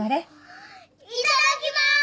いただきます。